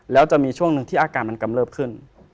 แล้วจะมีช่วงนึงที่อาการกำเลิฟขึ้น